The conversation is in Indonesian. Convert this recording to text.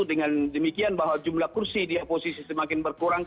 dengan demikian bahwa jumlah kursi di oposisi semakin berkurang